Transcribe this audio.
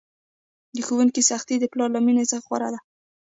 د ښوونکي سختي د پلار له میني څخه غوره ده!